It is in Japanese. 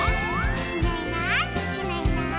「いないいないいないいない」